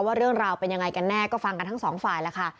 ว่าเรื่องราวเป็นยังไงกันแน่ก็ฟังกันทั้งสองฝ่ายแล้วค่ะ